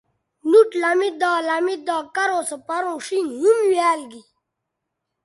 نُوٹ لمیدا لمیدا کرو سو پروں ݜینگ ھُمویال گی